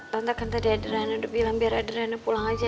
tante kan tadi adriana udah bilang biar adriana pulang aja